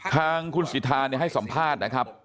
ทางคุณสิทธาให้สัมภาษณ์นะครับ